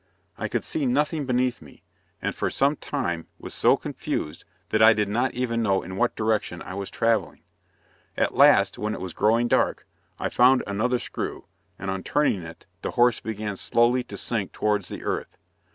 I could see nothing beneath me, and for some time was so confused that I did not even know in what direction I was travelling. At last, when it was growing dark, I found another screw, and on turning it, the horse began slowly to sink towards the earth.